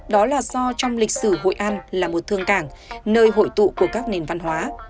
đó là do trong lịch sử hội an là một thương cảng nơi hội tụ của các nền văn hóa